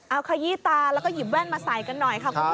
เอาขยี้ตาแล้วก็หยิบแว่นมาใส่กันหน่อยค่ะ